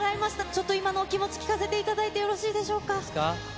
ちょっと今のお気持ち、聞かせてもらってよろしいでしょうか。